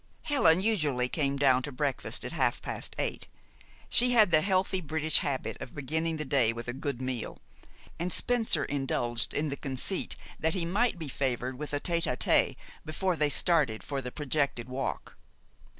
Helen usually came down to breakfast at half past eight. She had the healthy British habit of beginning the day with a good meal, and Spencer indulged in the conceit that he might be favored with a tête à tête before they started for the projected walk.